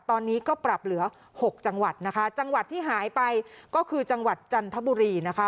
ตอนนี้ก็ปรับเหลือหกจังหวัดนะคะจังหวัดที่หายไปก็คือจังหวัดจันทบุรีนะคะ